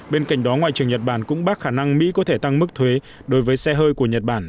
bên cạnh đó ngoại trưởng nhật bản cũng bác khả năng mỹ có thể tăng mức thuế đối với xe hơi của nhật bản